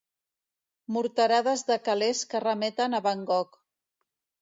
Morterades de calés que remeten a Van Gogh.